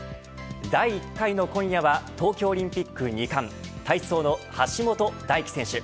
第１回の今夜は東京オリンピック２冠体操の橋本大輝選手。